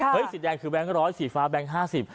เฮ้ยสีแดงคือแบงค์ร้อยสีฟ้าแบงค์ห้าสิบ